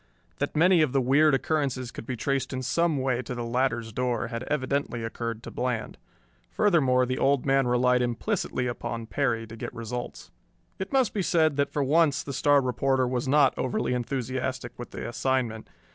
That many of the weird occurrences could be traced in some way to the latter's door had evidently occurred to Bland. Furthermore, the Old Man relied implicitly upon Perry to get results. It must be said that for once the star reporter was not overly enthusiastic with the assignment.